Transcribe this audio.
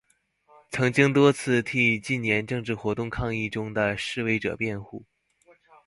曾经多次替近年政治活动抗争中的示威者辩护。